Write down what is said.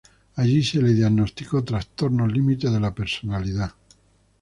Allí se le diagnosticó trastorno límite de la personalidad.